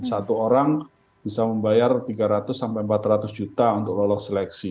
satu orang bisa membayar tiga ratus sampai empat ratus juta untuk lolos seleksi